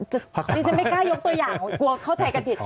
ฉันไม่กล้ายกตัวอย่างกลัวเข้าใจกันผิด